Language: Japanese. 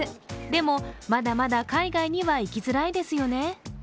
でも、まだまだ海外には行きづらいですよね。